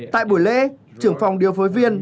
tại buổi lễ trưởng phòng điều phối viên